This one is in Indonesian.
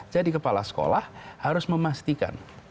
jadi kepala sekolah harus memastikan